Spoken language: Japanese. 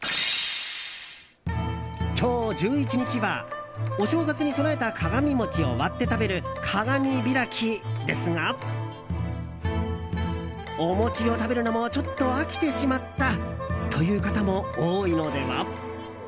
今日１１日は、お正月に供えた鏡餅を割って食べる鏡開きですがお餅を食べるのもちょっと飽きてしまったという方も多いのでは？